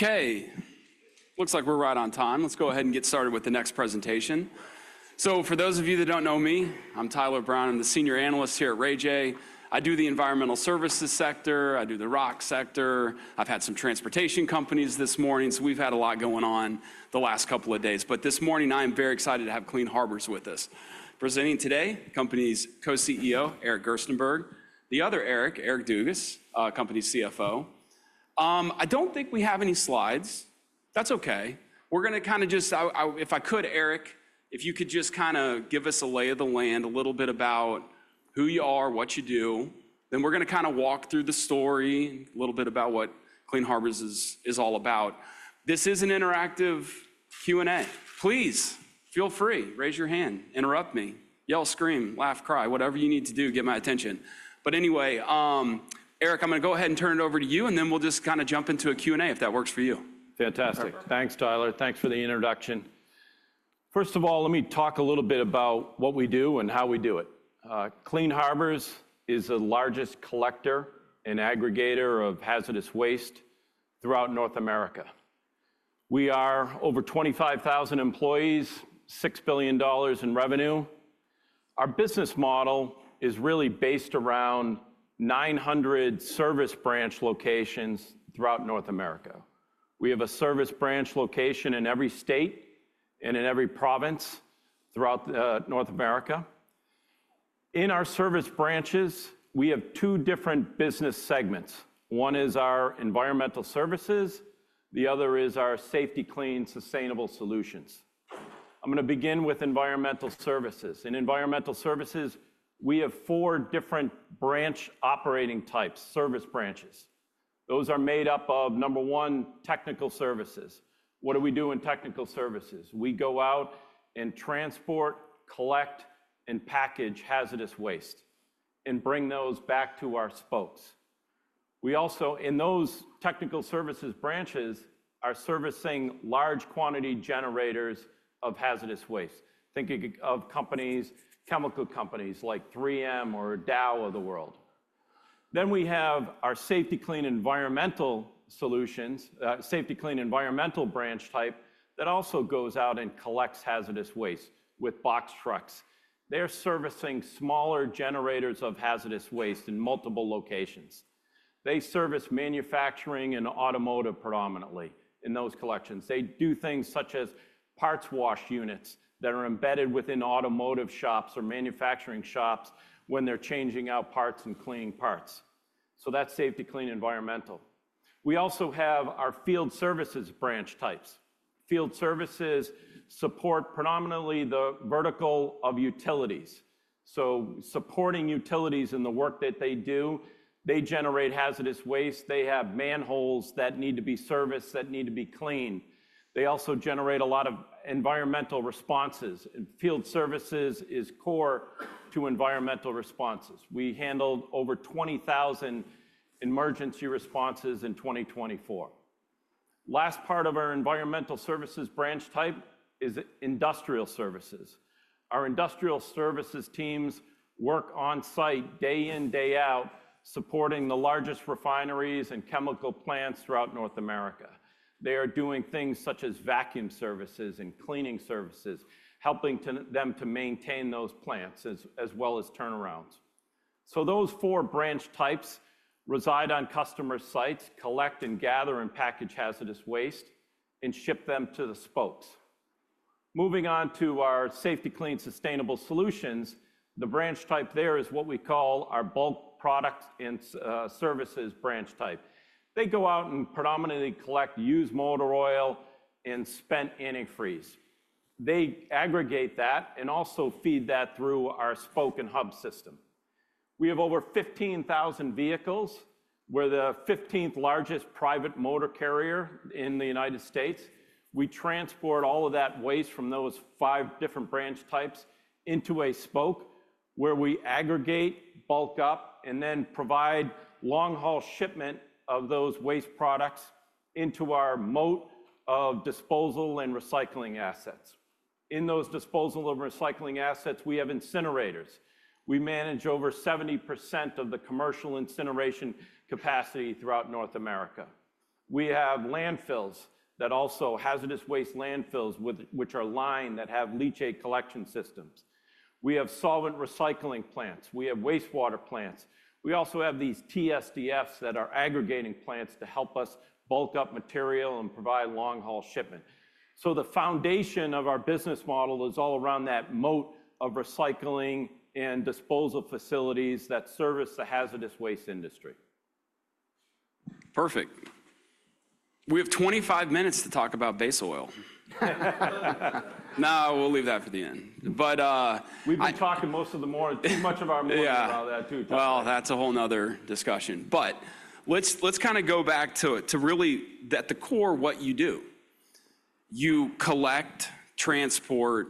Okay. Looks like we're right on time. Let's go ahead and get started with the next presentation. So for those of you that don't know me, I'm Tyler Brown. I'm the senior analyst here at Raymond James. I do the environmental services sector. I do the rock sector. I've had some transportation companies this morning, so we've had a lot going on the last couple of days. But this morning, I am very excited to have Clean Harbors with us. Presenting today, company's co-CEO, Eric Gerstenberg, the other Eric, Eric Dugas, company CFO. I don't think we have any slides. That's okay. We're going to kind of just, if I could, Eric, if you could just kind of give us a lay of the land, a little bit about who you are, what you do. Then we're going to kind of walk through the story, a little bit about what Clean Harbors is all about. This is an interactive Q&A. Please feel free. Raise your hand, interrupt me, yell, scream, laugh, cry, whatever you need to do, get my attention. But anyway, Eric, I'm going to go ahead and turn it over to you, and then we'll just kind of jump into a Q&A if that works for you. Fantastic. Thanks, Tyler. Thanks for the introduction. First of all, let me talk a little bit about what we do and how we do it. Clean Harbors is the largest collector and aggregator of hazardous waste throughout North America. We are over 25,000 employees, $6 billion in revenue. Our business model is really based around 900 service branch locations throughout North America. We have a service branch location in every state and in every province throughout North America. In our service branches, we have two different business segments. One is our environmental services. The other is our Safety-Kleen Sustainability Solutions. I'm going to begin with environmental services. In environmental services, we have four different branch operating types, service branches. Those are made up of, number one, technical services. What do we do in technical services? We go out and transport, collect, and package hazardous waste and bring those back to our folks. We also, in those technical services branches, are servicing large quantity generators of hazardous waste. Think of companies, chemical companies like 3M or Dow of the world. Then we have our Safety-Kleen environmental solutions, Safety-Kleen environmental branch type that also goes out and collects hazardous waste with box trucks. They are servicing smaller generators of hazardous waste in multiple locations. They service manufacturing and automotive predominantly in those collections. They do things such as parts washers that are embedded within automotive shops or manufacturing shops when they're changing out parts and cleaning parts. So that's Safety-Kleen environmental. We also have our Field Services branch types. Field Services support predominantly the vertical of utilities. So supporting utilities in the work that they do, they generate hazardous waste. They have manholes that need to be serviced, that need to be cleaned. They also generate a lot of environmental responses, and field services is core to environmental responses. We handled over 20,000 emergency responses in 2024. Last part of our environmental services branch type is industrial services. Our industrial services teams work on site day in, day out, supporting the largest refineries and chemical plants throughout North America. They are doing things such as vacuum services and cleaning services, helping them to maintain those plants as well as turnarounds. Those four branch types reside on customer sites, collect and gather and package hazardous waste and ship them to the spokes. Moving on to our Safety-Kleen Sustainability Solutions, the branch type there is what we call our bulk product and services branch type. They go out and predominantly collect used motor oil and spent antifreeze. They aggregate that and also feed that through our spoke and hub system. We have over 15,000 vehicles; we're the 15th largest private motor carrier in the U.S. We transport all of that waste from those five different branch types into a spoke where we aggregate, bulk up, and then provide long-haul shipment of those waste products into our moat of disposal and recycling assets. In those disposal and recycling assets, we have incinerators. We manage over 70% of the commercial incineration capacity throughout North America. We have landfills that are also hazardous waste landfills, which are lined and have leachate collection systems. We have solvent recycling plants. We have wastewater plants. We also have these TSDFs that are aggregating plants to help us bulk up material and provide long-haul shipment. The foundation of our business model is all around that moat of recycling and disposal facilities that service the hazardous waste industry. Perfect. We have 25 minutes to talk about base oil. No, we'll leave that for the end. But. We've been talking most of the morning about that too. Well, that's a whole nother discussion. But let's kind of go back to really at the core, what you do. You collect, transport,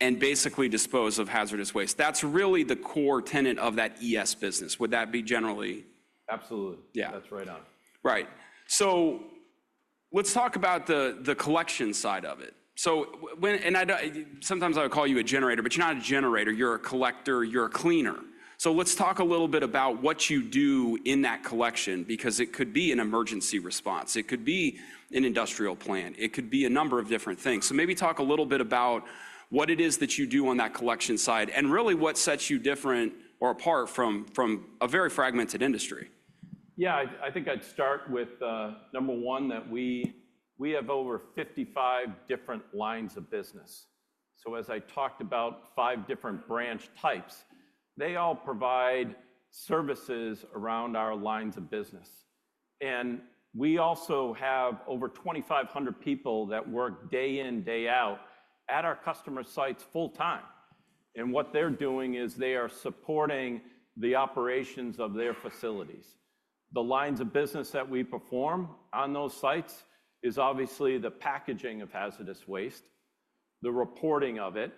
and basically dispose of hazardous waste. That's really the core tenet of that ES business. Would that be generally? Absolutely. That's right on. Right. So let's talk about the collection side of it. And sometimes I would call you a generator, but you're not a generator. You're a collector. You're a cleaner. So let's talk a little bit about what you do in that collection, because it could be an emergency response. It could be an industrial plant. It could be a number of different things. So maybe talk a little bit about what it is that you do on that collection side and really what sets you different or apart from a very fragmented industry. Yeah, I think I'd start with number one, that we have over 55 different lines of business, so as I talked about five different branch types, they all provide services around our lines of business, and we also have over 2,500 people that work day in, day out at our customer sites full time, and what they're doing is they are supporting the operations of their facilities. The lines of business that we perform on those sites is obviously the packaging of hazardous waste, the reporting of it.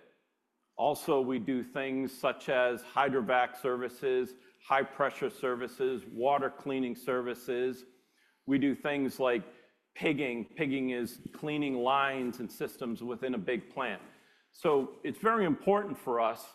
Also, we do things such as Hydrovac services, high-pressure services, water cleaning services. We do things like pigging. Pigging is cleaning lines and systems within a big plant, so it's very important for us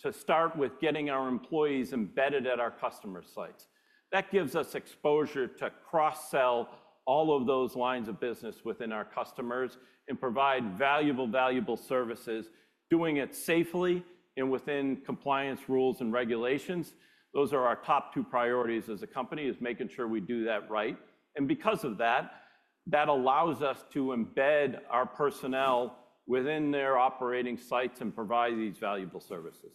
to start with getting our employees embedded at our customer sites. That gives us exposure to cross-sell all of those lines of business within our customers and provide valuable, valuable services, doing it safely and within compliance rules and regulations. Those are our top two priorities as a company, is making sure we do that right. And because of that, that allows us to embed our personnel within their operating sites and provide these valuable services.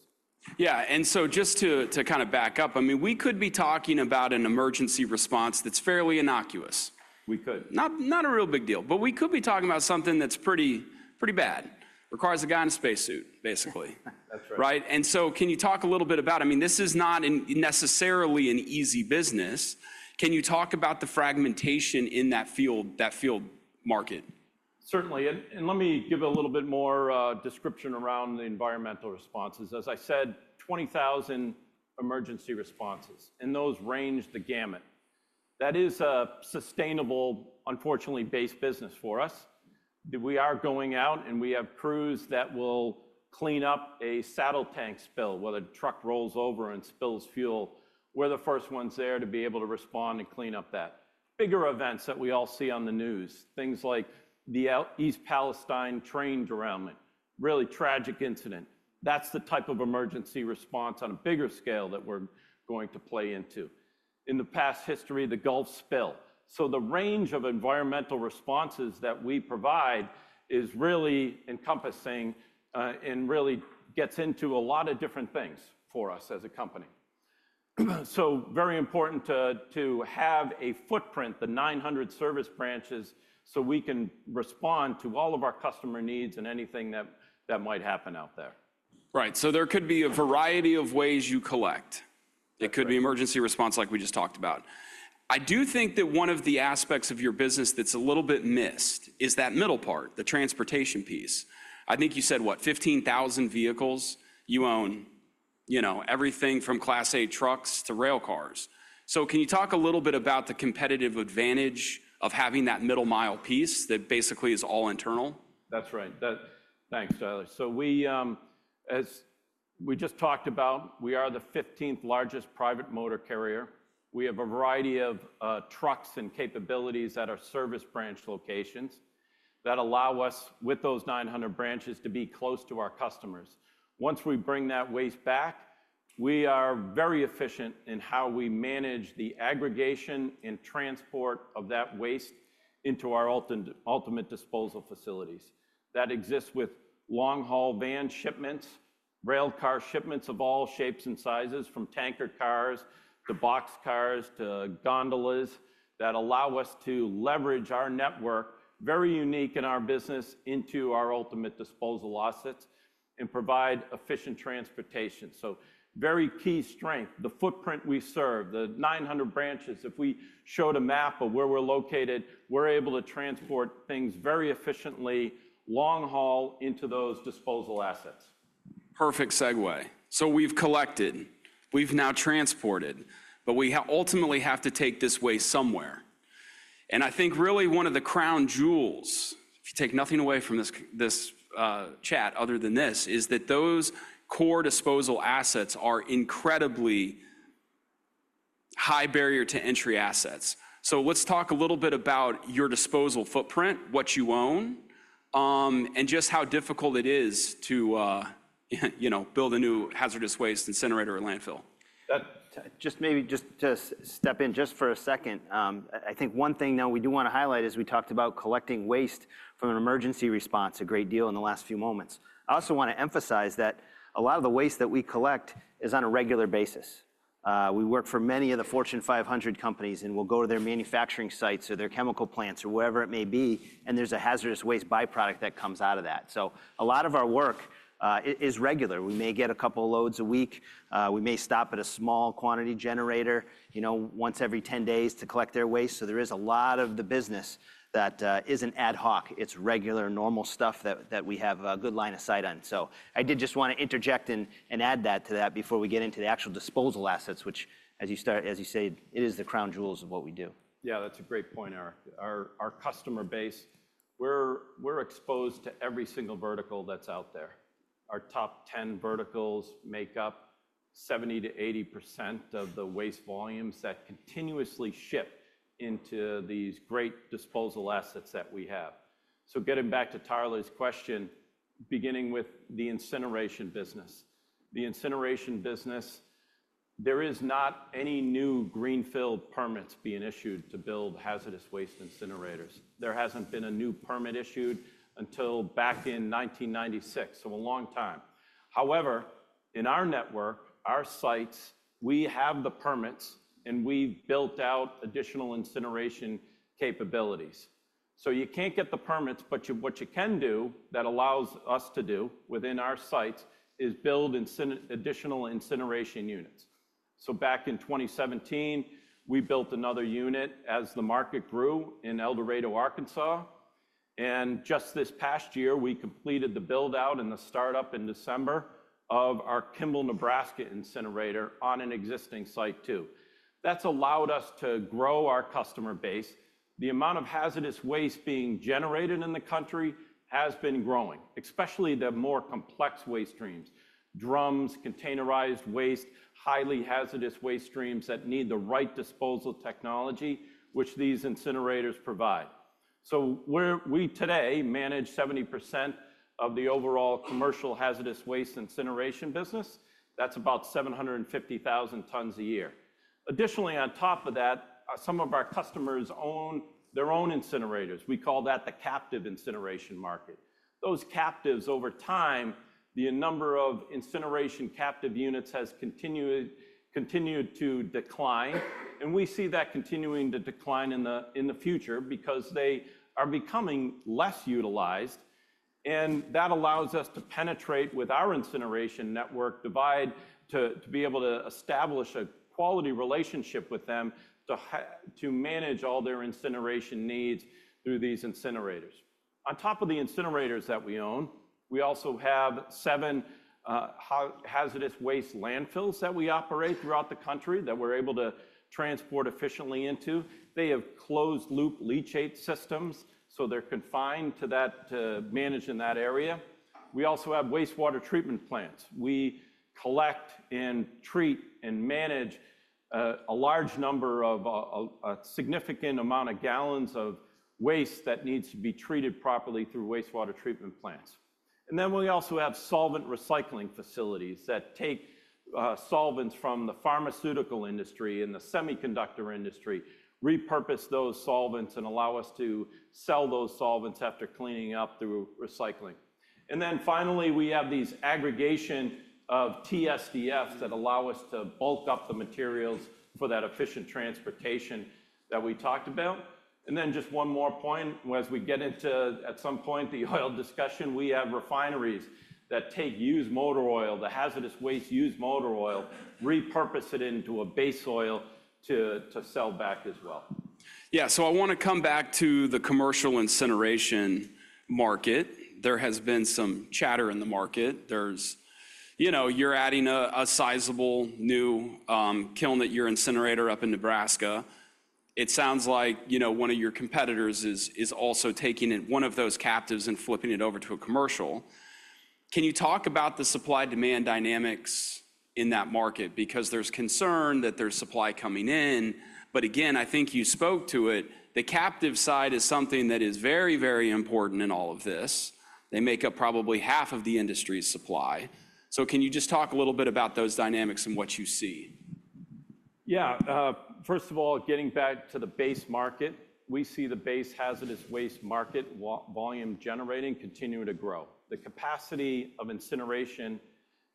Yeah, and so just to kind of back up, I mean, we could be talking about an emergency response that's fairly innocuous. We could. Not a real big deal, but we could be talking about something that's pretty bad. Requires a guy in a spacesuit, basically. That's right. Right? And so can you talk a little bit about, I mean, this is not necessarily an easy business. Can you talk about the fragmentation in that field market? Certainly, and let me give a little bit more description around the environmental responses. As I said, 20,000 emergency responses, and those range the gamut. That is a sustainable, unfortunately, based business for us. We are going out, and we have crews that will clean up a saddle tank spill when a truck rolls over and spills fuel. We're the first ones there to be able to respond and clean up that. Bigger events that we all see on the news, things like the East Palestine train derailment, really tragic incident. That's the type of emergency response on a bigger scale that we're going to play into. In the past history, the Gulf spill. So the run of environmental responses that we provide is really encompassing and really gets into a lot of different things for us as a company. So very important to have a footprint, the 900 service branches, so we can respond to all of our customer needs and anything that might happen out there. Right. So there could be a variety of ways you collect. It could be emergency response like we just talked about. I do think that one of the aspects of your business that's a little bit missed is that middle part, the transportation piece. I think you said, what, 15,000 vehicles you own, everything from Class A trucks to rail cars. So can you talk a little bit about the competitive advantage of having that middle-mile piece that basically is all internal? That's right. Thanks, Tyler. So as we just talked about, we are the 15th largest private motor carrier. We have a variety of trucks and capabilities at our service branch locations that allow us, with those 900 branches, to be close to our customers. Once we bring that waste back, we are very efficient in how we manage the aggregation and transport of that waste into our ultimate disposal facilities. That exists with long-haul van shipments, rail car shipments of all shapes and sizes, from tanker cars to box cars to gondolas that allow us to leverage our network, very unique in our business, into our ultimate disposal assets and provide efficient transportation. So very key strength, the footprint we serve, the 900 branches. If we showed a map of where we're located, we're able to transport things very efficiently, long-haul into those disposal assets. Perfect segue. So we've collected, we've now transported, but we ultimately have to take this waste somewhere. And I think really one of the crown jewels, if you take nothing away from this chat other than this, is that those core disposal assets are incredibly high barrier to entry assets. So let's talk a little bit about your disposal footprint, what you own, and just how difficult it is to build a new hazardous waste incinerator or landfill. Maybe just to step in for a second, I think one thing that we do want to highlight is we talked about collecting waste from an emergency response a great deal in the last few moments. I also want to emphasize that a lot of the waste that we collect is on a regular basis. We work for many of the Fortune 500 companies and will go to their manufacturing sites or their chemical plants or wherever it may be, and there's a hazardous waste byproduct that comes out of that. So a lot of our work is regular. We may get a couple of loads a week. We may stop at a small quantity generator once every 10 days to collect their waste. So there is a lot of the business that isn't ad hoc. It's regular, normal stuff that we have a good line of sight on. So I did just want to interject and add that to that before we get into the actual disposal assets, which, as you say, it is the crown jewels of what we do. Yeah, that's a great point, Eric. Our customer base, we're exposed to every single vertical that's out there. Our top 10 verticals make up 70%-80% of the waste volumes that continuously ship into these great disposal assets that we have. So getting back to Tyler's question, beginning with the incineration business. The incineration business, there is not any new greenfield permits being issued to build hazardous waste incinerators. There hasn't been a new permit issued until back in 1996, so a long time. However, in our network, our sites, we have the permits and we've built out additional incineration capabilities. So you can't get the permits, but what you can do that allows us to do within our sites is build additional incineration units. So back in 2017, we built another unit as the market grew in El Dorado, Arkansas. Just this past year, we completed the build-out and the startup in December of our Kimball, Nebraska incinerator on an existing site too. That's allowed us to grow our customer base. The amount of hazardous waste being generated in the country has been growing, especially the more complex waste streams, drums, containerized waste, highly hazardous waste streams that need the right disposal technology, which these incinerators provide. We today manage 70% of the overall commercial hazardous waste incineration business. That's about 750,000 tons a year. Additionally, on top of that, some of our customers own their own incinerators. We call that the captive incineration market. Those captives, over time, the number of incineration captive units has continued to decline. We see that continuing to decline in the future because they are becoming less utilized. And that allows us to penetrate with our incineration network to drive to be able to establish a quality relationship with them to manage all their incineration needs through these incinerators. On top of the incinerators that we own, we also have seven hazardous waste landfills that we operate throughout the country that we're able to transport efficiently into. They have closed-loop leachate systems, so they're designed to manage in that area. We also have wastewater treatment plants. We collect and treat and manage a large number of a significant amount of gallons of waste that needs to be treated properly through wastewater treatment plants. And then we also have solvent recycling facilities that take solvents from the pharmaceutical industry and the semiconductor industry, repurpose those solvents, and allow us to sell those solvents after cleaning up through recycling. And then finally, we have these aggregation of TSDFs that allow us to bulk up the materials for that efficient transportation that we talked about. And then just one more point, as we get into at some point the oil discussion, we have refineries that take used motor oil, the hazardous waste used motor oil, repurpose it into base oil to sell back as well. Yeah, so I want to come back to the commercial incineration market. There has been some chatter in the market. You're adding a sizable new kiln at your incinerator up in Nebraska. It sounds like one of your competitors is also taking one of those captives and flipping it over to a commercial. Can you talk about the supply-demand dynamics in that market? Because there's concern that there's supply coming in, but again, I think you spoke to it. The captive side is something that is very, very important in all of this. They make up probably half of the industry's supply, so can you just talk a little bit about those dynamics and what you see? Yeah. First of all, getting back to the base market, we see the base hazardous waste market volume generating continuing to grow. The capacity of incineration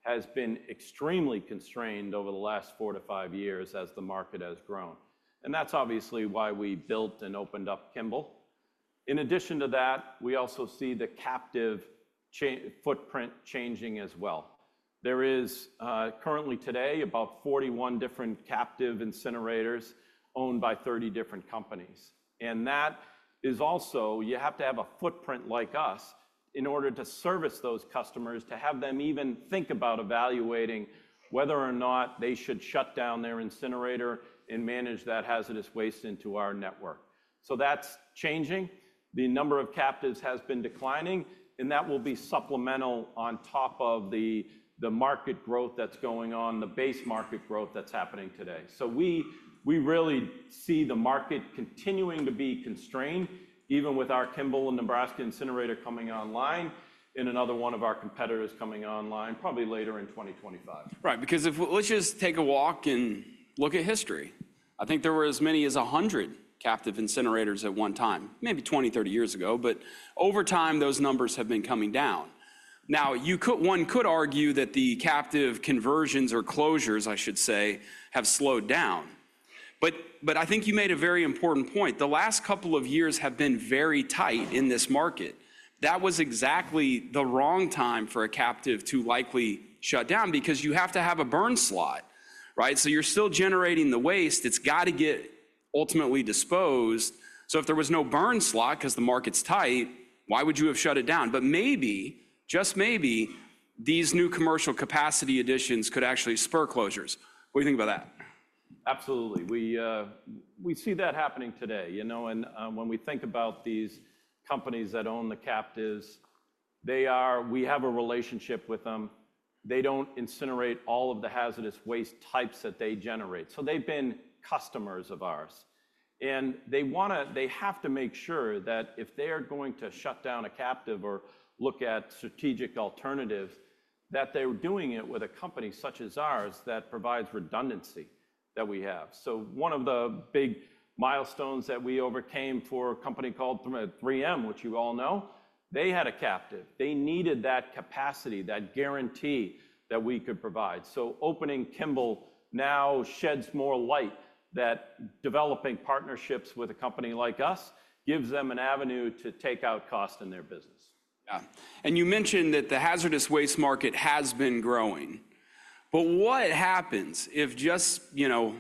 has been extremely constrained over the last four to five years as the market has grown. And that's obviously why we built and opened up Kimball. In addition to that, we also see the captive footprint changing as well. There is currently today about 41 different captive incinerators owned by 30 different companies. And that is also, you have to have a footprint like us in order to service those customers, to have them even think about evaluating whether or not they should shut down their incinerator and manage that hazardous waste into our network. So that's changing. The number of captives has been declining, and that will be supplemental on top of the market growth that's going on, the base market growth that's happening today, so we really see the market continuing to be constrained, even with our Kimball, Nebraska incinerator coming online and another one of our competitors coming online probably later in 2025. Right. Because if we just take a walk and look at history, I think there were as many as 100 captive incinerators at one time, maybe 20, 30 years ago, but over time, those numbers have been coming down. Now, one could argue that the captive conversions or closures, I should say, have slowed down. But I think you made a very important point. The last couple of years have been very tight in this market. That was exactly the wrong time for a captive to likely shut down because you have to have a burn slot, right? So you're still generating the waste. It's got to get ultimately disposed. So if there was no burn slot, because the market's tight, why would you have shut it down? But maybe, just maybe, these new commercial capacity additions could actually spur closures. What do you think about that? Absolutely. We see that happening today, and when we think about these companies that own the captives, we have a relationship with them. They don't incinerate all of the hazardous waste types that they generate, so they've been customers of ours, and they have to make sure that if they are going to shut down a captive or look at strategic alternatives, that they're doing it with a company such as ours that provides redundancy that we have, so one of the big milestones that we overcame for a company called 3M, which you all know, they had a captive. They needed that capacity, that guarantee that we could provide, so opening Kimball now sheds more light that developing partnerships with a company like us gives them an avenue to take out costs in their business. Yeah. And you mentioned that the hazardous waste market has been growing. But what happens if nearshore,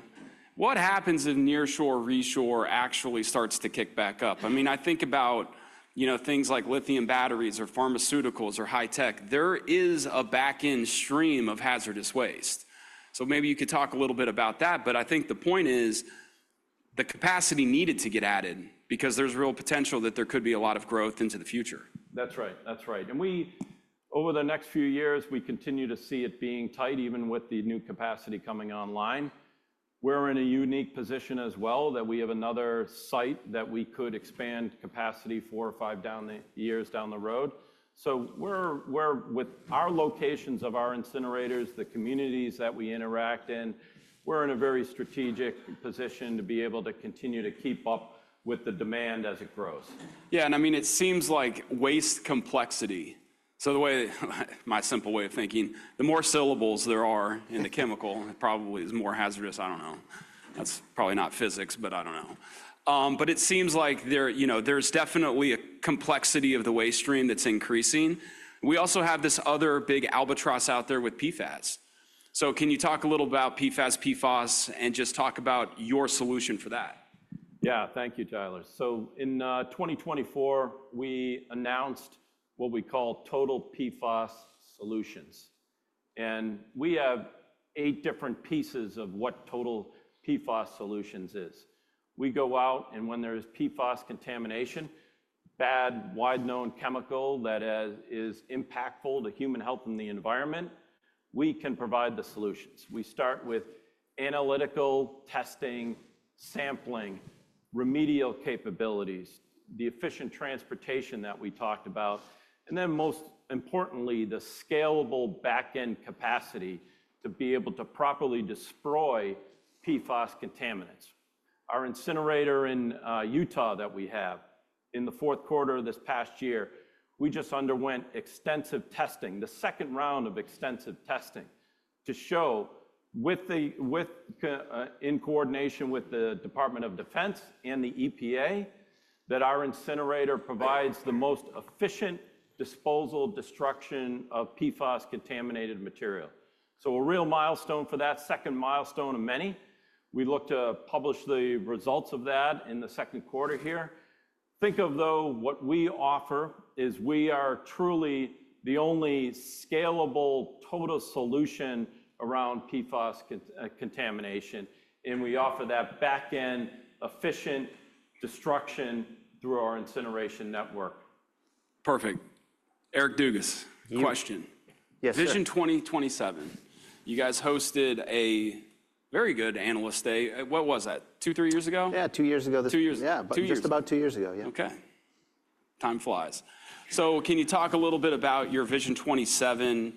reshore actually starts to kick back up? I mean, I think about things like lithium batteries or pharmaceuticals or high tech. There is a back-end stream of hazardous waste. So maybe you could talk a little bit about that. But I think the point is the capacity needed to get added because there's real potential that there could be a lot of growth into the future. That's right. That's right. And over the next few years, we continue to see it being tight, even with the new capacity coming online. We're in a unique position as well that we have another site that we could expand capacity four or five years down the road. So with our locations of our incinerators, the communities that we interact in, we're in a very strategic position to be able to continue to keep up with the demand as it grows. Yeah. And I mean, it seems like waste complexity. So the way, my simple way of thinking, the more syllables there are in the chemical, it probably is more hazardous. I don't know. That's probably not physics, but I don't know. But it seems like there's definitely a complexity of the waste stream that's increasing. We also have this other big albatross out there with PFAS. So can you talk a little about PFAS, PFAS, and just talk about your solution for that? Yeah. Thank you, Tyler. So in 2024, we announced what we call Total PFAS Solutions. And we have eight different pieces of what Total PFAS Solutions is. We go out, and when there is PFAS contamination, bad, wide-known chemical that is impactful to human health and the environment, we can provide the solutions. We start with analytical testing, sampling, remedial capabilities, the efficient transportation that we talked about, and then most importantly, the scalable back-end capacity to be able to properly destroy PFAS contaminants. Our incinerator in Utah that we have in the fourth quarter of this past year, we just underwent extensive testing, the second round of extensive testing to show in coordination with the Department of Defense and the EPA that our incinerator provides the most efficient disposal destruction of PFAS contaminated material. So a real milestone for that, second milestone of many. We look to publish the results of that in the second quarter here. Think of, though, what we offer is we are truly the only scalable total solution around PFAS contamination, and we offer that back-end efficient destruction through our incineration network. Perfect. Eric Dugas, question. Yes. Vision 2027. You guys hosted a very good analyst day. What was that? Two, three years ago? Yeah, two years ago. Two years ago. Yeah, just about two years ago, yeah. Okay. Time flies. So can you talk a little bit about your Vision 2027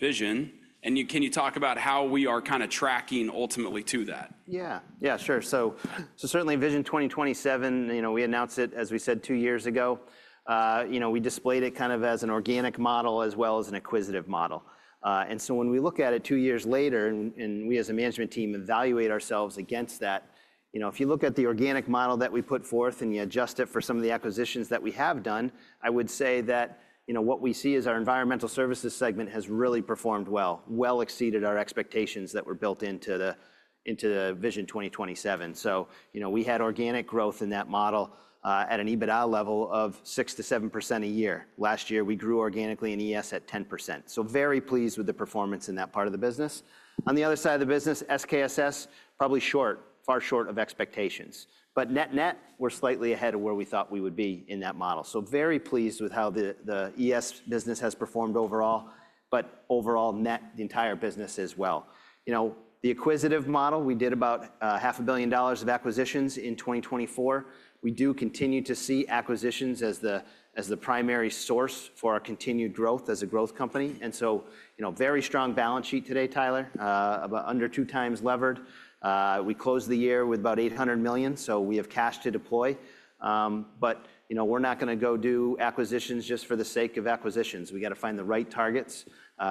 vision? And can you talk about how we are kind of tracking ultimately to that? Yeah. Yeah, sure. So certainly Vision 2027, we announced it, as we said, two years ago. We displayed it kind of as an organic model as well as an acquisitive model. And so when we look at it two years later, and we as a management team evaluate ourselves against that, if you look at the organic model that we put forth and you adjust it for some of the acquisitions that we have done, I would say that what we see is our environmental services segment has really performed well, well exceeded our expectations that were built into the Vision 2027. So we had organic growth in that model at an EBITDA level of 6%-7% a year. Last year, we grew organically in ES at 10%. So very pleased with the performance in that part of the business. On the other side of the business, SKSS, probably short, far short of expectations, but net-net, we're slightly ahead of where we thought we would be in that model, so very pleased with how the ES business has performed overall, but overall net, the entire business as well. The acquisitive model, we did about $500 million of acquisitions in 2024. We do continue to see acquisitions as the primary source for our continued growth as a growth company, and so very strong balance sheet today, Tyler, about under two times levered. We closed the year with about $800 million, so we have cash to deploy, but we're not going to go do acquisitions just for the sake of acquisitions. We got to find the right targets.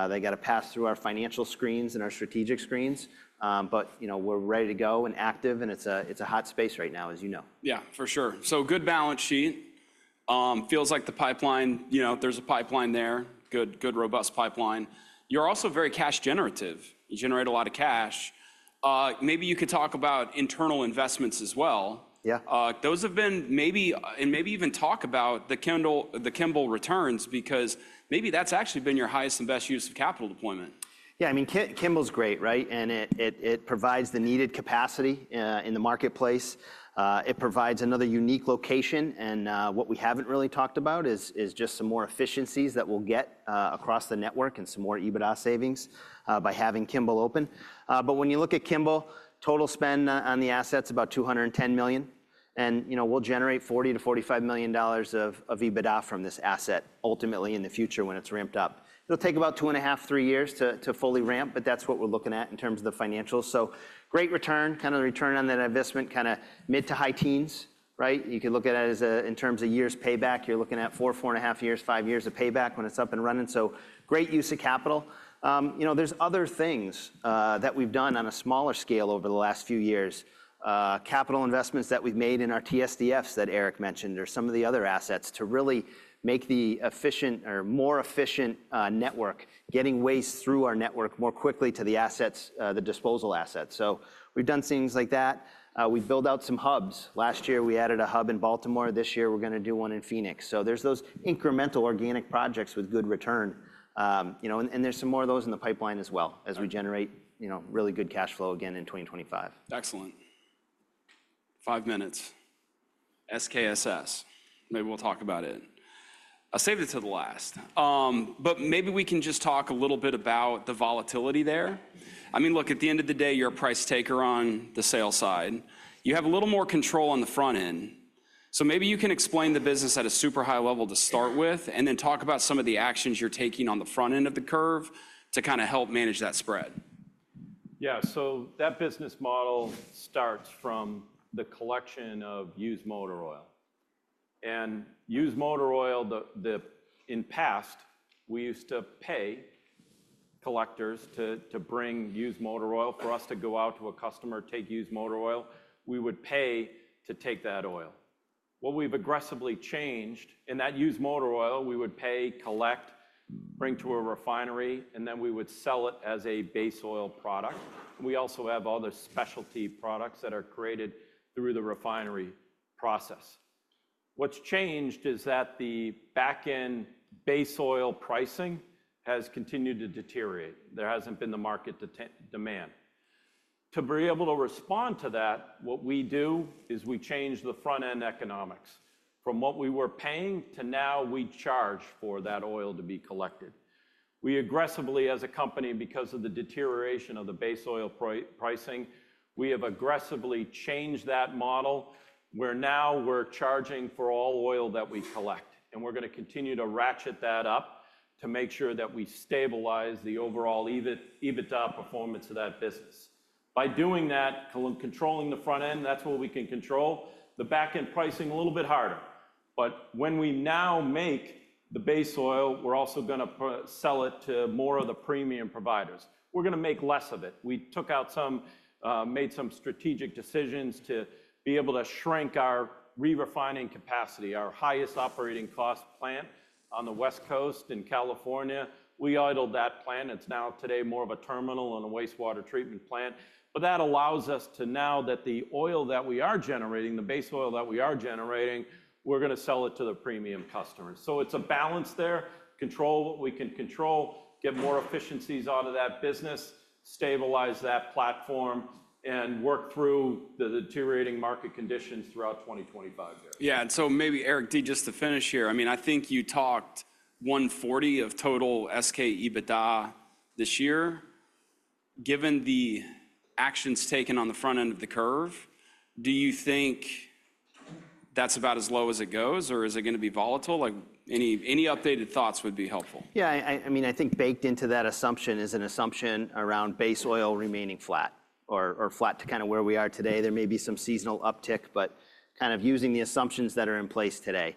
They got to pass through our financial screens and our strategic screens, but we're ready to go and active. It's a hot space right now, as you know. Yeah, for sure. So, good balance sheet. Feels like the pipeline; there's a pipeline there, good, robust pipeline. You're also very cash generative. You generate a lot of cash. Maybe you could talk about internal investments as well. Yeah. Those have been maybe, and maybe even talk about the Kimball returns because maybe that's actually been your highest and best use of capital deployment. Yeah. I mean, Kimball's great, right? And it provides the needed capacity in the marketplace. It provides another unique location. And what we haven't really talked about is just some more efficiencies that we'll get across the network and some more EBITDA savings by having Kimball open. But when you look at Kimball, total spend on the assets, about $210 million. And we'll generate $40 million-$45 million of EBITDA from this asset ultimately in the future when it's ramped up. It'll take about two and a half, three years to fully ramp, but that's what we're looking at in terms of the financials. So great return, kind of return on that investment, kind of mid to high teens, right? You could look at it as in terms of years payback, you're looking at four, four and a half years, five years of payback when it's up and running. So great use of capital. There's other things that we've done on a smaller scale over the last few years, capital investments that we've made in our TSDFs that Eric mentioned or some of the other assets to really make the efficient or more efficient network, getting waste through our network more quickly to the assets, the disposal assets. So we've done things like that. We've built out some hubs. Last year, we added a hub in Baltimore. This year, we're going to do one in Phoenix. So there's those incremental organic projects with good return. And there's some more of those in the pipeline as well as we generate really good cash flow again in 2025. Excellent. Five minutes. SKSS, maybe we'll talk about it. I'll save it to the last. But maybe we can just talk a little bit about the volatility there. I mean, look, at the end of the day, you're a price taker on the sale side. You have a little more control on the front end. So maybe you can explain the business at a super high level to start with and then talk about some of the actions you're taking on the front end of the curve to kind of help manage that spread. Yeah, so that business model starts from the collection of used motor oil. And used motor oil, in the past, we used to pay collectors to bring used motor oil for us to go out to a customer, take used motor oil. We would pay to take that oil. What we've aggressively changed in that used motor oil, we would pay, collect, bring to a refinery, and then we would sell it as base oil product. We also have other specialty products that are created through the refinery process. What's changed is that the base oil pricing has continued to deteriorate. There hasn't been the market demand. To be able to respond to that, what we do is we change the front-end economics. From what we were paying to now, we charge for that oil to be collected. We aggressively, as a company, because of the deterioration of base oil pricing, we have aggressively changed that model where now we're charging for all oil that we collect. And we're going to continue to ratchet that up to make sure that we stabilize the overall EBITDA performance of that business. By doing that, controlling the front end, that's what we can control, the back-end pricing a little bit harder. But when we now make base oil, we're also going to sell it to more of the premium providers. We're going to make less of it. We took out some, made some strategic decisions to be able to shrink our re-refining capacity, our highest operating cost plant on the West Coast in California. We idled that plant. It's now today more of a terminal and a wastewater treatment plant. But that allows us to know that the oil that we are generating, base oil that we are generating, we're going to sell it to the premium customers. So it's a balance there, control what we can control, get more efficiencies out of that business, stabilize that platform, and work through the deteriorating market conditions throughout 2025. Yeah. And so maybe, Eric, just to finish here, I mean, I think you talked 140 of total SK EBITDA this year. Given the actions taken on the front end of the curve, do you think that's about as low as it goes or is it going to be volatile? Any updated thoughts would be helpful. Yeah. I mean, I think baked into that assumption is an assumption base oil remaining flat or flat to kind of where we are today. There may be some seasonal uptick, but kind of using the assumptions that are in place today.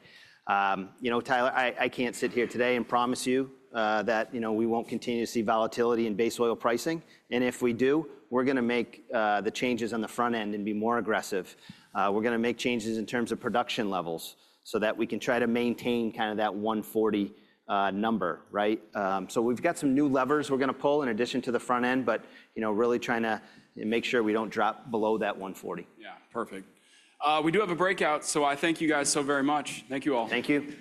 Tyler, I can't sit here today and promise you that we won't continue to see volatility base oil pricing. And if we do, we're going to make the changes on the front end and be more aggressive. We're going to make changes in terms of production levels so that we can try to maintain kind of that 140 number, right? So we've got some new levers we're going to pull in addition to the front end, but really trying to make sure we don't drop below that 140. Yeah. Perfect. We do have a breakout, so I thank you guys so very much. Thank you all. Thank you.